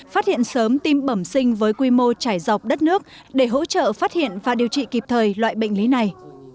phát hiện sớm tim bẩm sinh với quy mô trải dọc đất nước để hỗ trợ phát hiện và điều trị kịp thời loại bệnh lý này